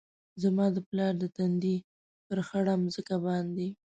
زما د پلار د تندي ، پر خړه مځکه باندي